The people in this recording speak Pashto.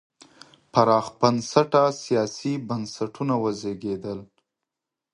پراخ بنسټه سیاسي بنسټونه وزېږېدل.